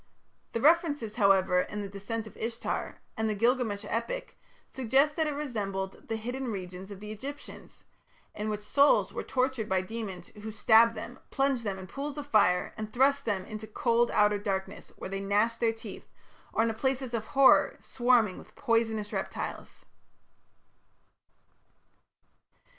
The references, however, in the "Descent of Ishtar" and the Gilgamesh epic suggest that it resembled the hidden regions of the Egyptians, in which souls were tortured by demons who stabbed them, plunged them in pools of fire, and thrust them into cold outer darkness where they gnashed their teeth, or into places of horror swarming with poisonous reptiles.